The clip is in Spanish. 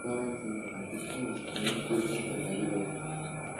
Jugaba de centrocampista y su primer club fue Ferrocarril Oeste.